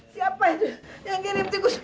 siapa itu yang ngirim tikus